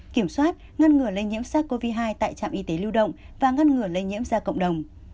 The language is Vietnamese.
kiểm soát ngăn ngừa lây nhiễm sars cov hai tại trạm y tế lưu động và ngăn ngừa lây nhiễm ra cộng đồng